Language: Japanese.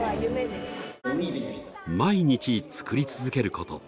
毎日、作り続けること。